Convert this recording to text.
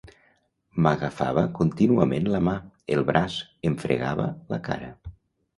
M'agafava contínuament la mà, el braç, em fregava la cara.